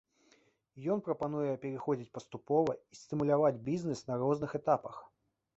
Ён прапануе пераходзіць паступова і стымуляваць бізнес на розных этапах.